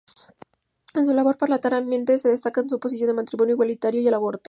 En su labor parlamentaria, se destacan su oposición al matrimonio igualitario y al aborto.